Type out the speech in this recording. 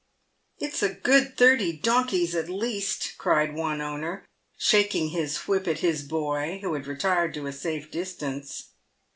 " It's a good thirty donkeys at least," cried one owner, shaking his whip at his boy, who had retired to a safe distance.